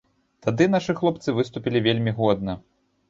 Тады нашы хлопцы выступілі вельмі годна.